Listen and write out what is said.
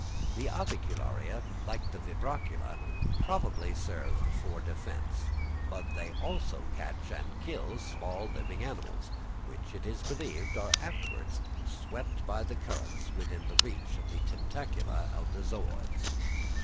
The avicularia, like the vibracula, probably serve for defence, but they also catch and kill small living animals, which, it is believed, are afterwards swept by the currents within reach of the tentacula of the zooids.